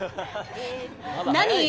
何？